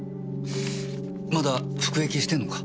まだ服役してんのか？